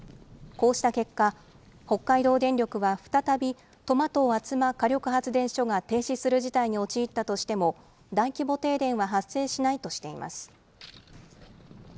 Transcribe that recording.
こうした結果、北海道電力は再び、苫東厚真火力発電所が停止する事態に陥ったとしても、大規模停電は発生しないとしています。